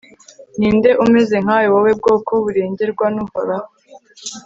ni nde umeze nkawe, wowe bwoko burengerwa n'uhoraho